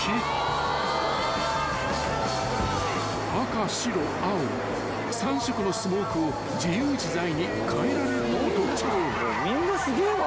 ［赤白青３色のスモークを自由自在に変えられるのも特徴］